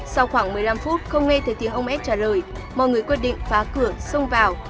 sau khoảng một mươi năm phút không nghe thấy tiếng ông ad trả lời mọi người quyết định phá cửa xông vào